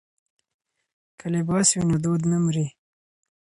که لباس وي نو دود نه مري.